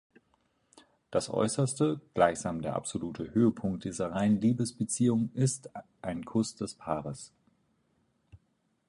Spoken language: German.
Das Äußerste, gleichsam der absolute Höhepunkt dieser reinen Liebesbeziehung, ist ein Kuss des Paares.